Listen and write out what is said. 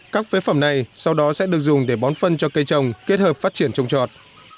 các phế phẩm này sau đó sẽ được dùng để bón phân cho cây trồng kết hợp phát triển trồng trọt